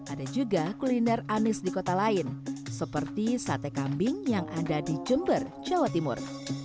ada juga kuliner anies di kota lain seperti sate kambing yang ada di jember jawa timur